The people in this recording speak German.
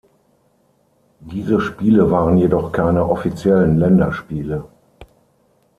Diese Spiele waren jedoch keine offiziellen Länderspiele.